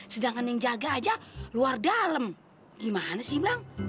sedangkan yang jaga aja luar dalam gimana sih bang